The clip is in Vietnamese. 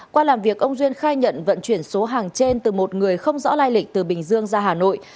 qua làm việc ông duyên khai nhận vận chuyển số hàng trên từ một người không rõ lai lịch từ bình dương ra hà nội